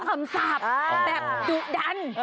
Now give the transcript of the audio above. ห้องทำสาบแบบดุดัน